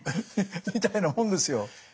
みたいなもんですよ。